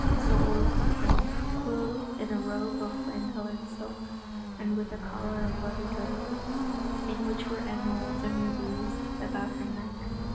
So Olwen came, clothed in a robe of flame coloured silk, and with a collar of ruddy gold, in which were emeralds and rubies, about her neck.